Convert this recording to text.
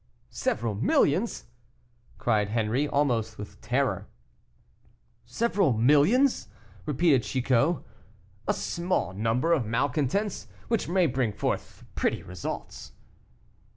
"Several millions!" cried Henri, almost with terror. "Several millions!" repeated Chicot; "a small number of malcontents, which may bring forth pretty results."